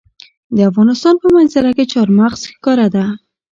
د افغانستان په منظره کې چار مغز ښکاره ده.